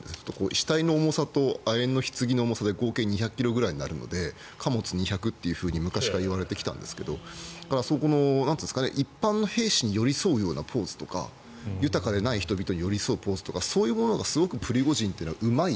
死体の重さと亜鉛のひつぎの重さで合計２００ｋｇぐらいになるので貨物２００と昔からいわれてきたんですが一般の兵士に寄り添うようなポーズとか豊かでない人に寄り添うポーズとかそういうものが非常にプリゴジンはうまい。